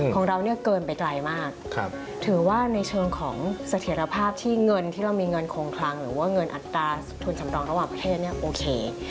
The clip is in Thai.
ของเราเนี่ยเกินไปไกลมากถือว่าในเชิงของเสถียรภาพที่เงินที่เรามีเงินคงคลังหรือว่าเงินอัตราทุนสำรองระหว่างประเทศเนี่ยโอเค